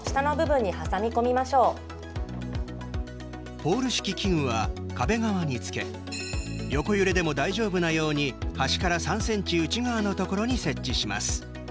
ポール式器具は壁側に付け横揺れでも大丈夫なように端から３ｃｍ内側のところに設置します。